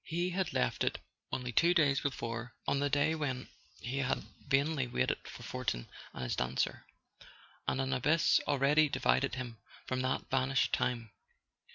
He had left it only two days before, on the day when he had vainly waited for Fortin and his dancer; and an abyss already divided him from that vanished time.